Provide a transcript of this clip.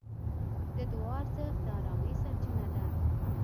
د دعا ارزښت د ارامۍ سرچینه ده.